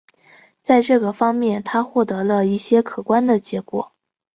在这个方面他获得了一些可观的结果。